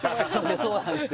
そうなんですよ